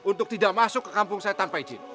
untuk tidak masuk ke kampung saya tanpa izin